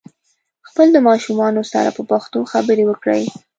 خپل د ماشومانو سره په پښتو خبري وکړئ